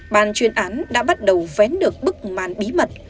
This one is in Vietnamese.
ban chuyên án đã bắt đầu vén được bức màn bí mật